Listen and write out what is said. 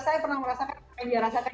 saya pernah merasakan saya merasakan